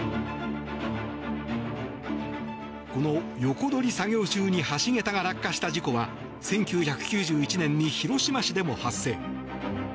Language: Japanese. この横取り作業中に橋桁が落下した事故は１９９１年に広島市でも発生。